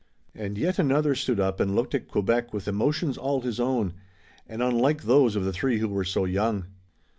And yet another stood up and looked at Quebec, with emotions all his own, and unlike those of the three who were so young.